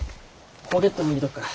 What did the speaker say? ポケットに入れとくから。